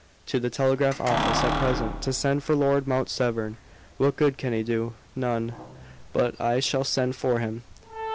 "To the telegraph office, at present. To send for Lord Mount Severn." "What good can he do?" "None. But I shall send for him."